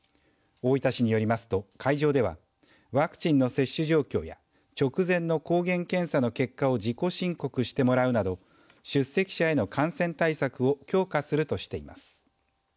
大分市によりますと会場ではワクチンの接種状況や直前の抗原検査の結果を自己申告してもらうなど出席者への感染対策を強化するとしています。